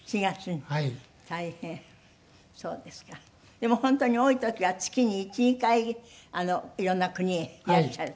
でも本当に多い時は月に１２回色んな国へいらっしゃる。